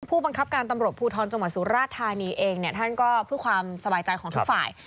ผู้บังคับการตำรวจภูทรจังหวัดสุราชธานีเองเนี่ยท่านก็เพื่อความสบายใจของทุกฝ่าย